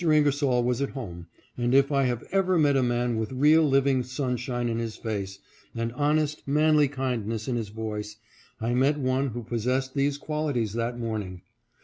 Ingersoll was at home, and if I have ever met a man with real living human sunshine in his face, and honest, manly kindness in his voice, I met one who possessed these qualities that morn ing.